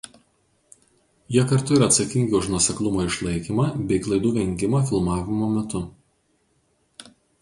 Jie kartu yra atsakingi už nuoseklumo išlaikymą bei klaidų vengimą filmavimo metu.